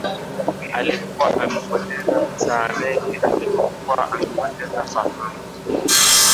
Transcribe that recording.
Alikuwa amepoteza masaa meengi alipokuwa amepoteza fahamu